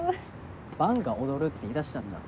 伴が踊るって言い出したんだろ。